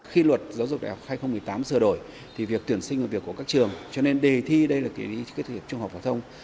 khi luật giáo dục đại học hai nghìn một mươi tám sửa đổi thì việc tuyển sinh là việc của các trường cho nên đề thi đây là kỳ thi trung học phổ thông